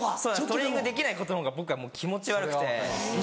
トレーニングできないことのほうが僕はもう気持ち悪くて。